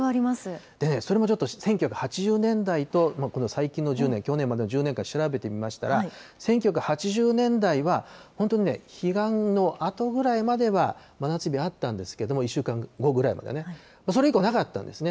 それもちょっと１９８０年代と最近の１０年、去年までの１０年間、調べてみましたら、１９８０年代は本当にね、彼岸のあとぐらいまでは真夏日あったんですけれども、１週間後ぐらいまでね、それ以降、なかったんですね。